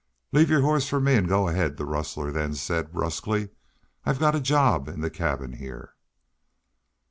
"Leave your hoss for me an' go ahaid," the rustler then said, brusquely. "I've a job in the cabin heah."